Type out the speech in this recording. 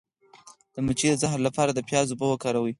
د مچۍ د زهر لپاره د پیاز اوبه وکاروئ